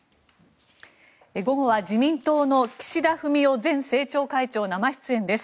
午後は自民党の岸田文雄前政調会長が生出演です。